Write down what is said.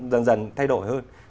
dần dần thay đổi hơn